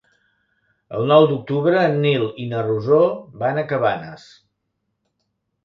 El nou d'octubre en Nil i na Rosó van a Cabanes.